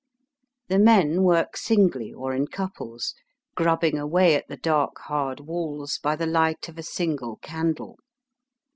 The men work singly or in couples, grubbing away at the dark hard walls by the light of a single candle.